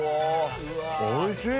おいしい！